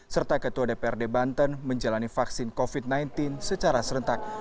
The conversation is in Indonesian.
serta ketua dprd banten menjalani vaksin covid sembilan belas secara serentak